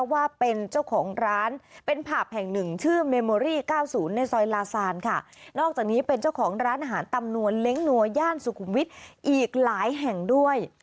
มาร้านอาหารตำนวลเล้งนวลหญ้าสุขุมวิทรอีกหลายแห่งด้วย